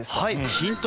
ヒント